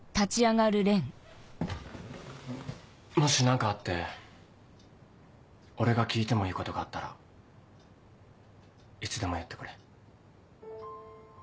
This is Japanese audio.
もし何かあって俺が聞いてもいいことがあったらいつでも言ってくれ。